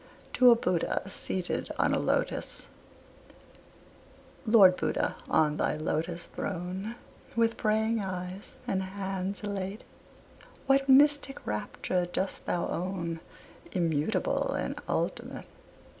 TO A BUDDHA SEATED ON A LOTUS Lord Buddha, on thy Lotus throne, With praying eyes and hands elate, What mystic rapture dost thou own, Immutable and ultimate?